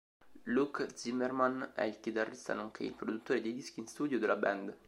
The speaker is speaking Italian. Luk Zimmermann è il chitarrista nonché il produttore dei dischi in studio della band.